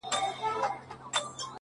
• تا ته ښایی په دوږخ کي عذابونه,